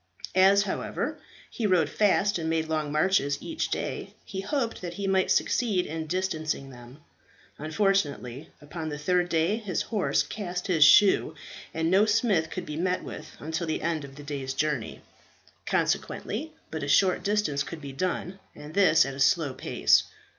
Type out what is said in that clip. As, however, he rode fast, and made long marches each day, he hoped that he might succeed in distancing them. Unfortunately, upon the third day his horse cast his shoe, and no smith could be met with until the end of the day's journey. Consequently, but a short distance could be done, and this at a slow pace.